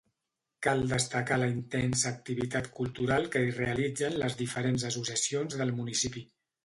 Cal destacar la intensa activitat cultural que hi realitzen les diferents associacions del municipi.